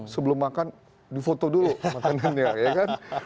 sebelum makan di foto dulu makanannya ya kan